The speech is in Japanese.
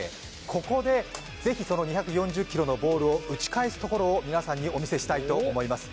ここでぜひ２４０キロのボールを打ち返すところを皆さんにお見せしたいと思います。